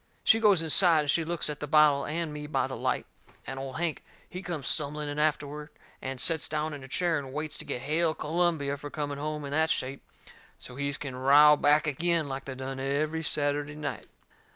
She goes inside and she looks at the bottle and me by the light, and Old Hank, he comes stumbling in afterward and sets down in a chair and waits to get Hail Columbia for coming home in that shape, so's he can row back agin, like they done every Saturday night.